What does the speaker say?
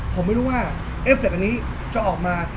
ผมไม่รู้ว่าเอฟเคอันนี้จะออกมา